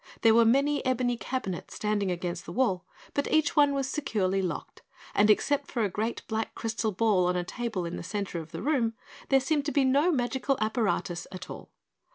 There were many ebony cabinets standing against the wall, but each one was securely locked and except for a great black crystal ball on a table in the center of the room, there seemed to be no magic apparatus at all.